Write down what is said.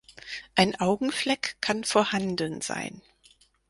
Ein Augenfleck kann vorhanden sein.